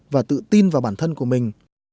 và tự tin vào bản thân của mình